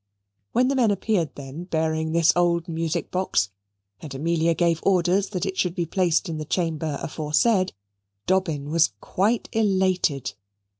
When the men appeared then bearing this old music box, and Amelia gave orders that it should be placed in the chamber aforesaid, Dobbin was quite elated.